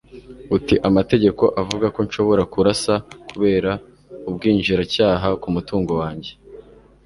ati amategeko avuga ko nshobora kurasa kubera ubwinjiracyaha ku mutungo wanjye